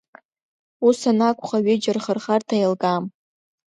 Ус анакәха ҩыџьа рхырхарҭа еилкаам.